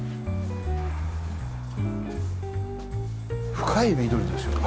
深い緑ですよね。